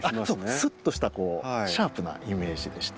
スッとしたシャープなイメージでして。